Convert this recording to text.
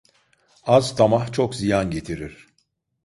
Az tamah, çok ziyan getirir.